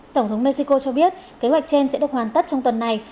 tổng thống mexico cho biết kế hoạch trên sẽ được hoàn tất trong tuần này